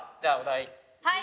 はい！